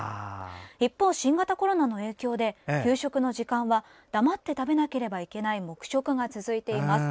一方、新型コロナの影響で給食の時間は黙って食べなければいけない黙食が続いています。